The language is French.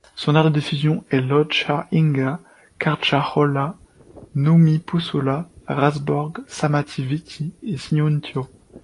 Son aire de diffusion est Lohja, Ingå, Karjalohja, Nummi-Pusula, Raseborg, Sammatti, Vihti et Siuntio.